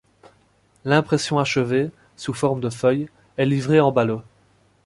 L’impression achevée, sous forme de feuilles, est livrées en ballots.